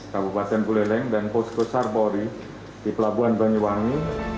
kabupaten buleleng dan pos kosar bori di pelabuhan banyuwangi